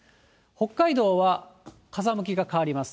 北海道は風向きが変わります。